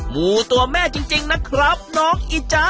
งูตัวแม่จริงนะครับน้องอีจ๊ะ